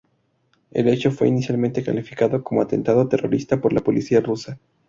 El hecho fue inicialmente calificado como "atentado terrorista" por la policía rusa.